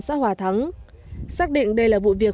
xã hòa thắng xác định đây là vụ việc